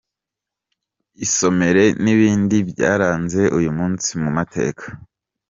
Isomere n’ibindi byaranze uyu munsi mu mateka.